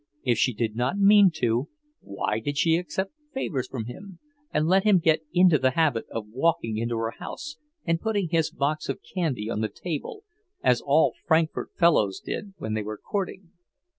If she did not mean to, why did she accept favours from him and let him get into the habit of walking into her house and putting his box of candy on the table, as all Frankfort fellows did when they were courting?